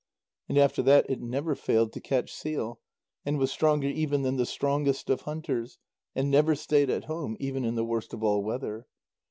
And after that it never failed to catch seal, and was stronger even than the strongest of hunters, and never stayed at home even in the worst of all weather.